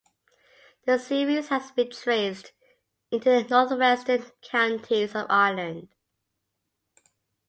The series has been traced into the northwestern counties of Ireland.